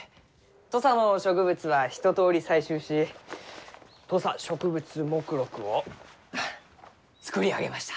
土佐の植物は一とおり採集し土佐植物目録を作り上げました。